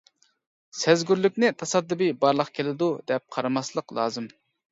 سەزگۈرلۈكنى تاسادىپىي بارلىققا كېلىدۇ دەپ قارىماسلىق لازىم.